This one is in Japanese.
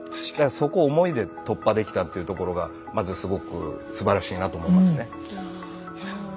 そこを思いで突破できたっていうところがまずすごくすばらしいなと思いますね。